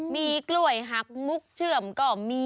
มีกล้วยหักมุกเชื่อมก็มี